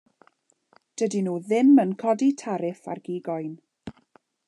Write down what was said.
Dydyn nhw ddim yn codi tariff ar gig oen.